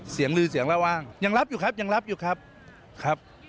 เสียงลืนเสียงละวังยังรับอยู่ครับครับ